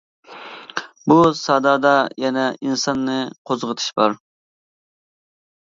بۇ سادادا يەنە ئىنساننى قوزغىتىش بار!